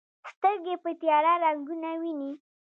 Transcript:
سترګې په تیاره رنګونه ویني.